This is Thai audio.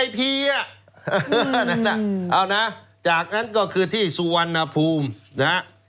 เอานะจากนั้นก็คือที่สุวรรณภูมินะฮะ